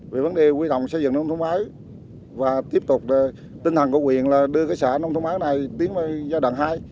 vì vấn đề quy động xây dựng nông thông báo và tiếp tục tinh thần của huyện là đưa cái xã nông thông báo này tiến vào giai đoạn hai